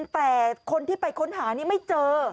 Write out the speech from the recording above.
แต่คนที่ไปค้นหานี่ไม่เจอ